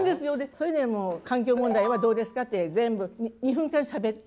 それでもう「環境問題はどうですか？」って全部２分間しゃべって。